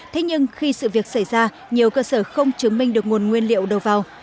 thế nhưng khi sự việc xảy ra nhiều cơ sở không chứng minh được nguồn nguyên liệu đầu vào